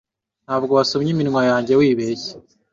Ntabwo wasomye iminwa yanjye wibeshya